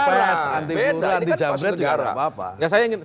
anti peluru anti jambret juga tidak apa apa